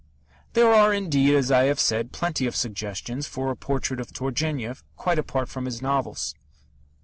There are, indeed, as I have said, plenty of suggestions for a portrait of Turgenev, quite apart from his novels.